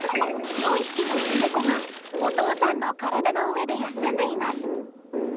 ４匹の子猫がお父さんの体の上で休んでいます。